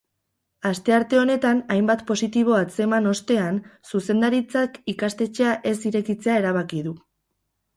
Astearte honetan hainbat positibo atzeman ostean, zuzendaritzak ikastetxea ez irekitzea erabaki du.